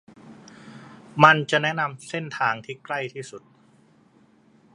มันจะแนะนำเส้นทางที่ใกล้ที่สุด